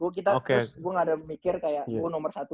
gue kita terus gue nggak ada mikir kayak gue nomor satu